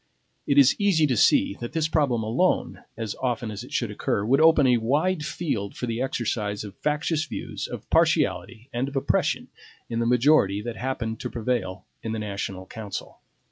It is easy to see that this problem alone, as often as it should occur, would open a wide field for the exercise of factious views, of partiality, and of oppression, in the majority that happened to prevail in the national council.